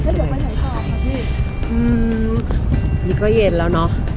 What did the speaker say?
อืมนี้ก็เย็นแล้วเนอะ